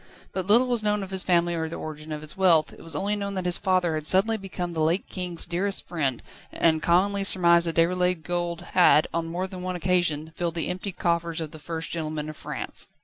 But little was known of his family or the origin of its wealth; it was only known that his father had suddenly become the late King's dearest friend, and commonly surmised that Déroulède gold had on more than one occasion filled the emptied coffers of the First Gentleman of France.